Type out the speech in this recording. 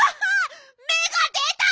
めが出た！